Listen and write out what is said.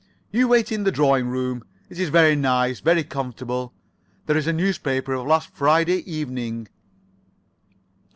You wait in the drawing room. It is very nice. Very comfortable. There is a newspaper of last Friday evening."